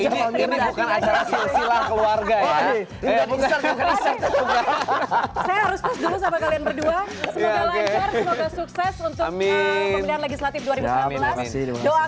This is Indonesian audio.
saya harus pus dulu sama kalian berdua semoga lancar semoga sukses untuk pemilihan legislatif dua ribu sembilan belas doa